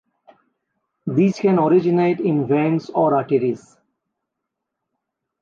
These can originate in veins or arteries.